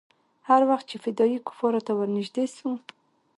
هر وخت چې فدايي کفارو ته ورنژدې سو.